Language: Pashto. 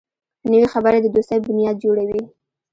نوې خبرې د دوستۍ بنیاد جوړوي